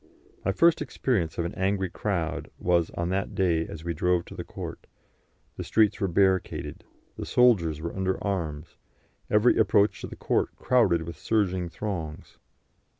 My first experience of an angry crowd was on that day as we drove to the court; the streets were barricaded, the soldiers were under arms, every approach to the court crowded with surging throngs.